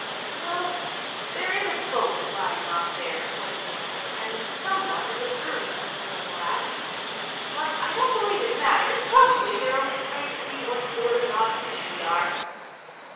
"Well, there is a boat lying off there," was the answer. "And some one is observing us through a glass. But I don't believe it matters. Probably they're only trying to see what sort of an odd fish we are."